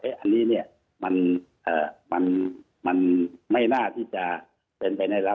อันนี้เนี่ยมันไม่น่าที่จะเป็นไปในรัฐ